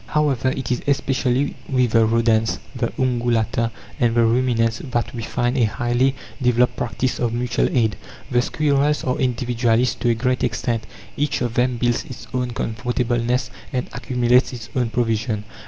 However, it is especially with the rodents, the ungulata, and the ruminants that we find a highly developed practice of mutual aid. The squirrels are individualist to a great extent. Each of them builds its own comfortable nest, and accumulates its own provision.